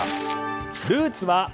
ルーツは？